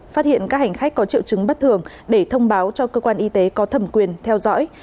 phát hiện các hành khách có triệu chứng bất thường để thông báo cho cơ quan y tế có thẩm quyền theo dõi